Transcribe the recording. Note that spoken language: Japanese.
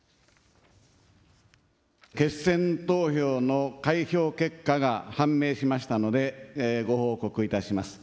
決選投票の開票結果が判明しましたので、ご報告いたします。